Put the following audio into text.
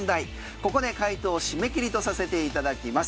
ここで回答締め切りとさせていただきます。